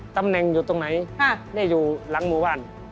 ตำแหน่งอยู่ตรงไหนได้อยู่หลังหมู่บ้าน